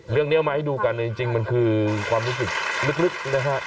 เอามาให้ดูกันจริงมันคือความรู้สึกลึกนะฮะ